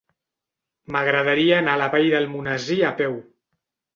M'agradaria anar a la Vall d'Almonesir a peu.